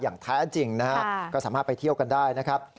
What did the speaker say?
อย่างแท้จริงนะฮะก็สามารถไปเที่ยวกันได้นะครับ